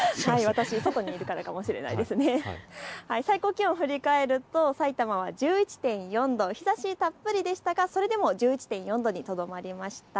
最高気温、振り返るとさいたまは１１．４度、日ざしたっぷりでしたがそれでも１１．４度にとどまりました。